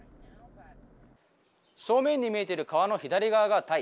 正面に見えている川の左側がタイ。